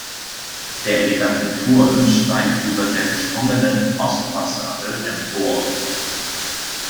Der elegante Turm steigt über der geschwungenen Ostfassade empor.